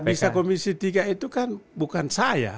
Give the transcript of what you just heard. bisa komisi tiga itu kan bukan saya